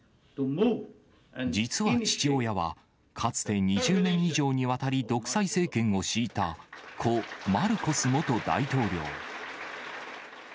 実は父親は、かつて２０年以上にわたり独裁政権を敷いた故・マルコス元大統領。